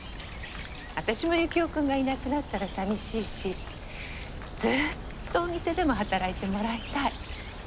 私もユキオ君がいなくなったら寂しいしずっとお店でも働いてもらいたい。